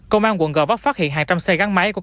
công an quận gò vấp phát hiện hàng trăm xe gắn máy của